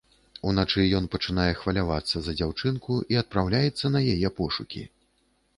Уначы ён пачынае хвалявацца за дзяўчынку і адпраўляецца на яе пошукі.